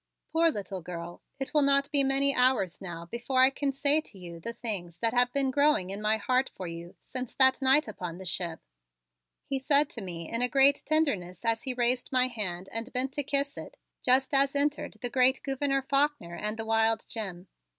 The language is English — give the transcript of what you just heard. "Poor little girl, it will not be many hours now before I can say to you the things that have been growing in my heart for you since that night upon the ship," he said to me in a great tenderness as he raised my hand and bent to kiss it just as entered the great Gouverneur Faulkner and the wild Jim.